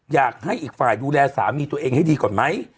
อยากให้อีกฝ่ายดูแลสามีตัวเองให้ดีก่อนไหม